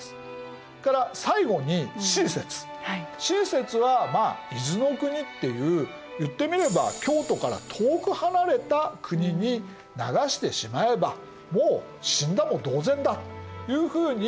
Ｃ説はまあ伊豆の国っていう言ってみれば京都から遠く離れた国に流してしまえばもう死んだも同然だというふうに平清盛が思った。